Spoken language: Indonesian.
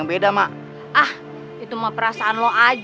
sewaktu ingat akan